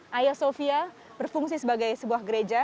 haya sofia berfungsi sebagai sebuah gereja